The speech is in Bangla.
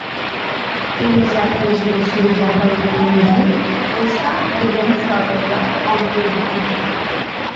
এই জাতীয় জিনিসের উদাহরণের মধ্যে পোশাক এবং সরঞ্জাম অন্তর্ভুক্ত।